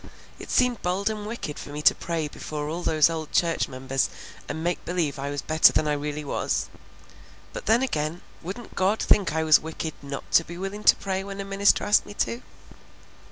It seemed bold and wicked for me to pray before all those old church members and make believe I was better than I really was; but then again, wouldn't God think I was wicked not to be willing to pray when a minister asked me to?"